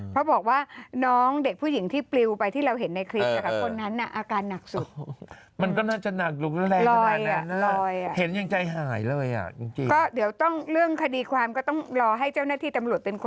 เพราะบอกว่าน้องเด็กผู้หญิงที่ปลิวไปที่เราเห็นในคลิปนะคะ